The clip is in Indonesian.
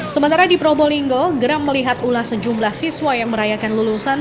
sementara di probolinggo geram melihat ulah sejumlah siswa yang merayakan lulusan